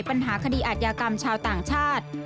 ปัญหาคดีอาทยากรรมชาวต่างชาติ